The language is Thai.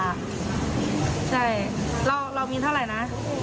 เรามีเท่าไรนะ